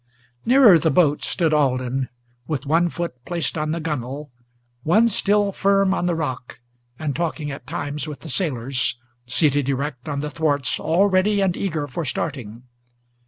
Nearer the boat stood Alden, with one foot placed on the gunwale, One still firm on the rock, and talking at times with the sailors, Seated erect on the thwarts, all ready and eager for starting.